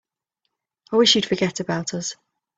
I wish you'd forget about us.